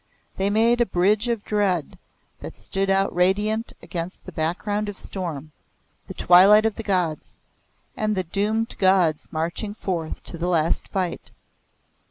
They made a Bridge of Dread that stood out radiant against the background of storm the Twilight of the Gods, and the doomed gods marching forth to the last fight.